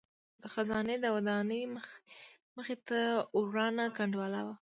د خزانې د ودانۍ مخې ته ورانه کنډواله وه.